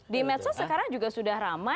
di medsos sekarang juga sudah ramai